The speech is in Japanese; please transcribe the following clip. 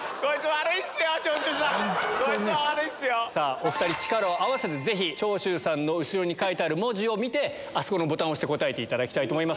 お２人力を合わせて長州さんの後ろに書いてある文字を見てあそこのボタンを押して答えていただきたいと思います。